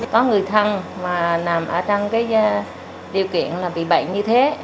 có người thân mà nằm ở trong điều kiện bị bệnh như thế